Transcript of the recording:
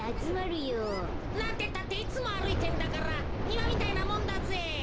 なんてったっていつもあるいてんだからにわみたいなもんだぜ。